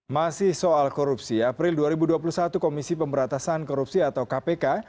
masih soal korupsi april dua ribu dua puluh satu komisi pemberatasan korupsi atau kpk